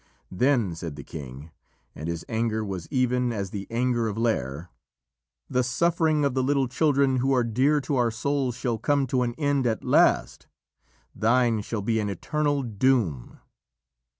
Then said the king, and his anger was even as the anger of Lîr: "The suffering of the little children who are dear to our souls shall come to an end at last. Thine shall be an eternal doom."